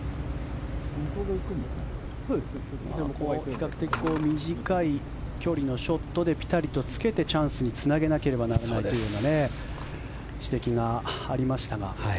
比較的短い距離のショットでピタリとつけてチャンスにつなげなければならないという指摘がありましたが。